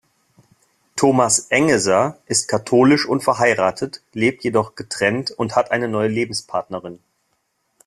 Thomas Engeser ist katholisch und verheiratet, lebt jedoch getrennt und hat eine neue Lebenspartnerin.